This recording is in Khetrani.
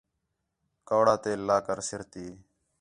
کَوڑا تیل لا کر سِر تی